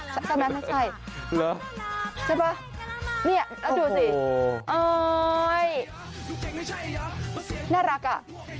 ใช่ไหมจริงอัอใช่ปะเนี่ยดูสิเออน่ารักอ่ะ